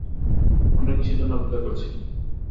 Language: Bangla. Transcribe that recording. আমরা কিসের জন্য অপেক্ষা করছি?